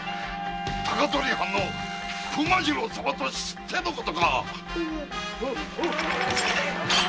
高取藩の熊次郎様と知ってのことか！